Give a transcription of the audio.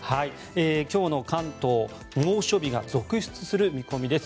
今日の関東猛暑日が続出する見込みです。